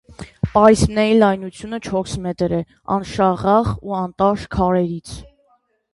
Պարիսպների լայնությունը չորս մետր է, անշաղախ ու անտաշ քարերից։